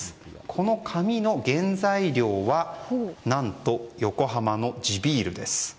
この紙の原材料は、何と横浜の地ビールです。